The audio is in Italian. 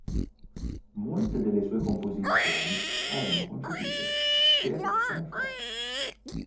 Molte delle sue composizioni erano concepite per pianoforte.